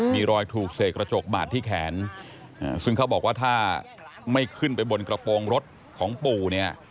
มีรอยถูกเสกกระจกบาดที่แขนซึ่งเขาบอกว่าถ้าไม่ขึ้นไปบนกระโปรงรถของปู่เนี่ย